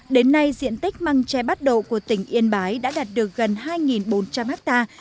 đến nay diện tích măng tre bát độ của tỉnh yên bái đã đạt được gần hai bốn trăm linh hectare